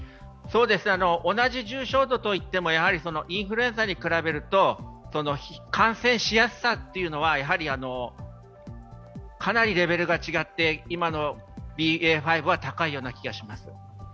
同じ重症度といってもインフルエンザに比べると感染しやすさというのはかなりレベルが違って、今のＢＡ．５は高いような気がします。